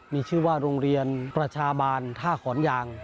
มีชื่อว่าโรงเรียนประชาบาลท่าขอนยาง